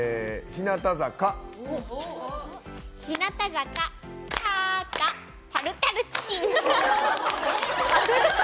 日向坂、たた肩、タルタルチキン。